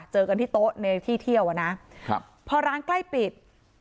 เจอกันที่โต๊ะในที่เที่ยวอ่ะนะครับพอร้านใกล้ปิด